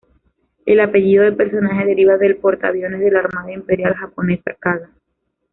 El apellido del personaje deriva del portaaviones de la Armada Imperial Japonesa Kaga.